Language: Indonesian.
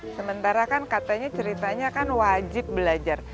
sementara kan katanya ceritanya kan wajib belajar